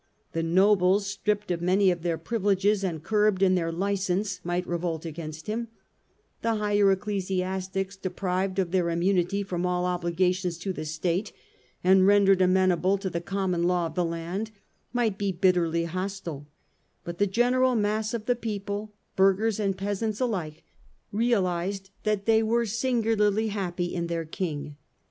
The nobles, stripped of many of their privileges and curbed in their licence, might revolt against him : the higher ecclesias tics, deprived of their immunity from all obligations to the State and rendered amenable to the common law of the land, might be bitterly hostile : but the general mass of the people, burghers and peasants alike, realised that they were singularly happy in their King.